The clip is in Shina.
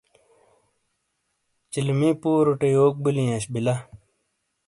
چیلمی پوروٹے یوک بیلی اش بیلا؟